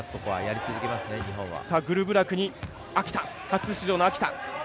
グルブラクに、初出場の秋田。